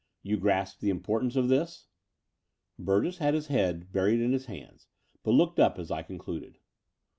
. You grasp the importance of this ?" Burgess had his head buried in his hands, but looked up as I concluded.